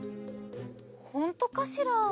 ほんとかしら？